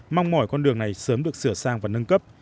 mong mỏi con đường này sớm được sửa sang và nâng cấp